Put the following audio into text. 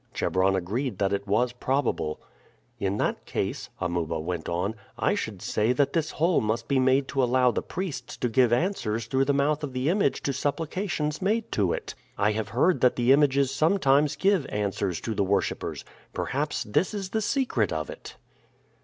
Chebron agreed that it was probable. "In that case," Amuba went on, "I should say that this hole must be made to allow the priests to give answers through the mouth of the image to supplications made to it. I have heard that the images sometimes gave answers to the worshipers. Perhaps this is the secret of it."